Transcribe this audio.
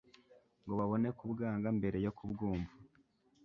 ngo babone kubwanga mbere yo kubwumva